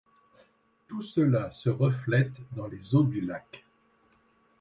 Tout cela se reflète dans les eaux du lac.